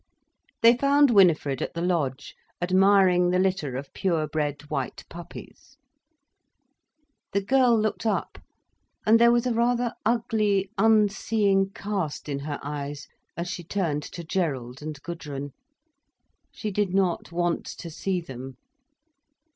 They found Winifred at the lodge admiring the litter of purebred white puppies. The girl looked up, and there was a rather ugly, unseeing cast in her eyes as she turned to Gerald and Gudrun. She did not want to see them.